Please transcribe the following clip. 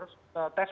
ini yang tidak bisa